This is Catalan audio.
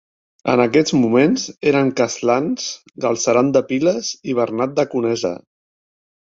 En aquests moments eren castlans Galceran de Piles i Bernat de Conesa.